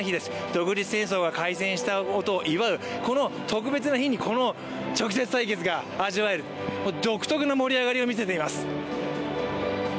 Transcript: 独立戦争が開戦したことを祝う、この特別な日にこの直接対決が味わえる独特な盛り上がりを見せています。